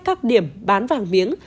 các điểm bán vàng miếng